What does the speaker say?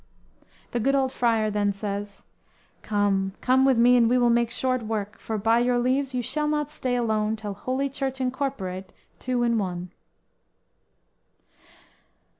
"_ The good old Friar then says: _"Come, come with me and we will make short work; For, by your leaves, you shall not stay alone Till holy church incorporate two in one!"